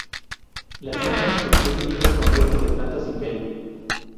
Las hembras construyen nidos con restos de plantas y pelo.